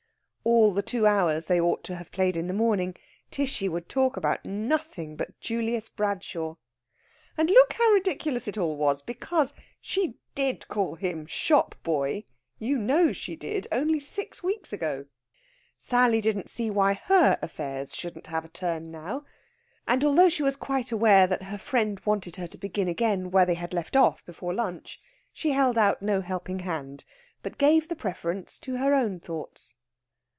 All the two hours they ought to have played in the morning Tishy would talk about nothing but Julius Bradshaw. And look how ridiculous it all was! Because she did call him "shop boy" you know she did only six weeks ago. Sally didn't see why her affairs shouldn't have a turn now; and although she was quite aware that her friend wanted her to begin again where they had left off before lunch, she held out no helping hand, but gave the preference to her own thoughts.